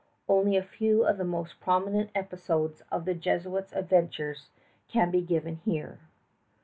Only a few of the most prominent episodes in the Jesuits' adventures can be given here.